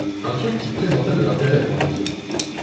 un truc qui présentait de l’intérêt pour lui,